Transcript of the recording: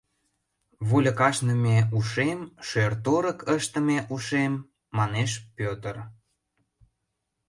— Вольык ашныме ушем, шӧр-торык ыштыме ушем... — манеш Пӧтыр.